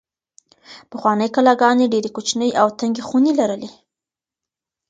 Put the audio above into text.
پخوانۍ کلاګانې ډېرې کوچنۍ او تنګې خونې لرلې.